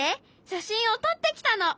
写真を撮ってきたの。